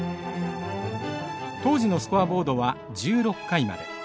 当時のスコアボードは１６回まで。